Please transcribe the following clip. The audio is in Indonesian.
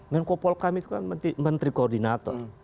menko polkam itu kan menteri koordinator